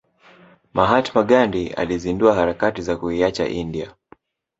Mahatma Gandhi alizindua harakati za kuiacha india